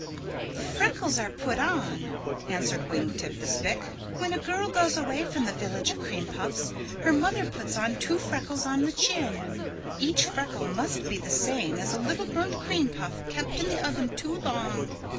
"The freckles are put on," answered Wing Tip the Spick. "When a girl goes away from the Village of Cream Puffs her mother puts on two freckles, on the chin. Each freckle must be the same as a little burnt cream puff kept in the oven too long.